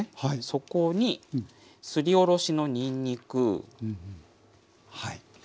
そこにすりおろしのにんにく。